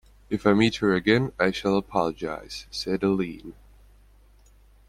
If I meet her again I shall apologize, said Eileen.